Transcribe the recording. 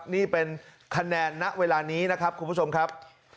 นี่เป็นคะแนนณเวลานี้นะครับคุณผู้ชมครับ